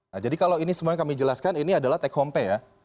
nah jadi kalau ini semuanya kami jelaskan ini adalah take home pay ya